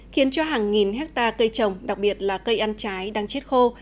khiến cho hàng nghìn hectare cây trồng đặc biệt là cây ăn trái đang chết khô